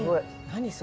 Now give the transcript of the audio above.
何？